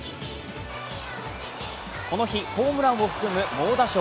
この日、ホームランを含む猛打賞。